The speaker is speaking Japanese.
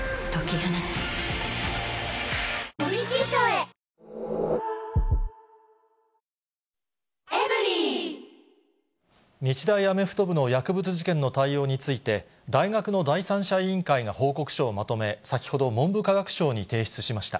過去最大の補助金も日大アメフト部の薬物事件の対応について、大学の第三者委員会が報告書をまとめ、先ほど、文部科学省に提出しました。